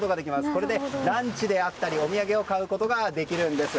これでランチだったりお土産を買うことができるんです。